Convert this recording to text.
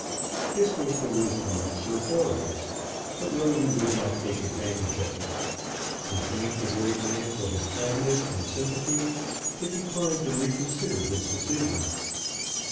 This was the wisdom of Sir Boreas; but Roden would not take advantage of it. He thanked the great man for his kindness and sympathy, but declined to reconsider his decision.